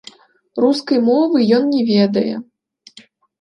Рускай мовы ён не ведае.